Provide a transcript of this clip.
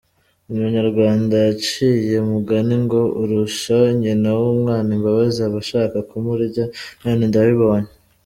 Umunyarwanda yaciye umugani “Ngo urusha nyina w’umwana imbabazi aba shaka kumurya “none ndabibonye.